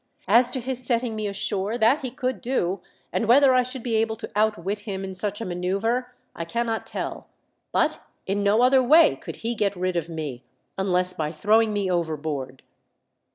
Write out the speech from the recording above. As to his setting me ashore, that he could do, and whether I should be able to outwit him in such a manoeuvre, I cannot tell ; but in no other way could he get rid of me, unless by throwing me overboard."